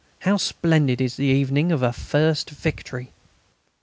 How splendid is the evening of a first victory!